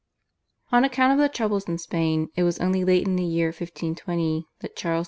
On account of the troubles in Spain it was only late in the year 1520 that Charles V.